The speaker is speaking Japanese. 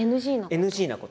ＮＧなこと。